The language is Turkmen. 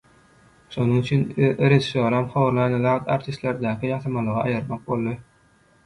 Şonuň üçin rejissýoram horlan zat artistlerdäki ýasamalygy aýyrmak boldy.